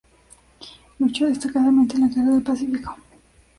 Luchó destacadamente en la guerra del Pacífico.